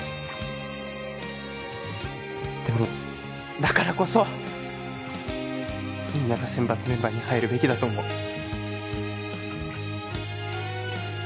でもだからこそみんなが選抜メンバーに入るべきだと思う。